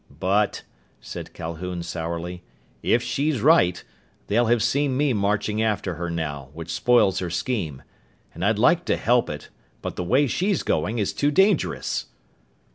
"But," said Calhoun sourly, "if she's right, they'll have seen me marching after her now, which spoils her scheme. And I'd like to help it, but the way she's going is too dangerous!"